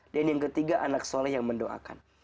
dan yang ketiga anak soleh yang mendoakan